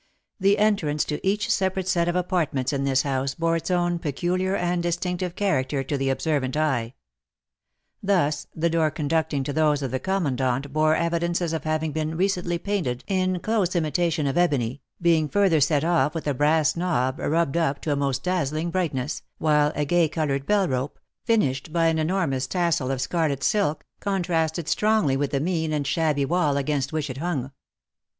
The entrance to each separate set of apartments in this house bore its own peculiar and distinctive character to the observant eye. Thus, the door conducting to those of the commandant bore evidences of having been recently painted in close imitation of ebony, being further set off with a brass knob rubbed up to a most dazzling brightness, while a gay coloured bell rope, finished by an enormous tassel of scarlet silk, contrasted strongly with the mean and shabby wall against which it hung.